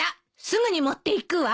すぐに持っていくわ。